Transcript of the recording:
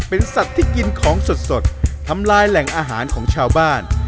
เป็นสัตว์ที่กินของสดทำลายแหล่งอาหารของชาวบ้าน